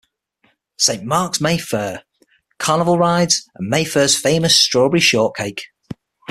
Saint Mark's May Fair: carnival rides and May Fair's famous strawberry shortcake.